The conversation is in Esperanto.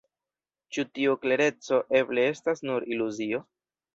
Ĉu tiu klereco eble estas nur iluzio?